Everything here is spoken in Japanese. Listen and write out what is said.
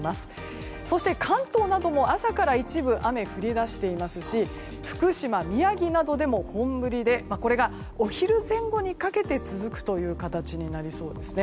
そして関東なども朝から一部で雨が降り出していますし福島、宮城などでも本降りでこれがお昼前後にかけて続くという形になりそうです。